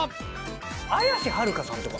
綾瀬はるかさんとか。